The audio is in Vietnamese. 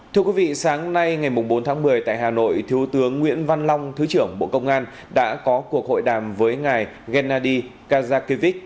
thưa quý vị sáng nay ngày bốn tháng một mươi tại hà nội thiếu tướng nguyễn văn long thứ trưởng bộ công an đã có cuộc hội đàm với ngài gennady kazakevich